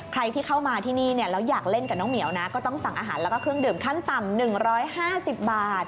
ใครที่เข้ามาที่นี่เนี่ยแล้วอยากเล่นกับน้องเหมียวนะก็ต้องสั่งอาหารแล้วก็เครื่องดื่มขั้นต่ำ๑๕๐บาท